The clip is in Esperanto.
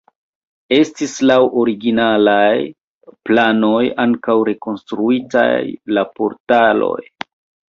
Estis laŭ originalaj planoj ankaŭ rekonstruitaj la portaloj.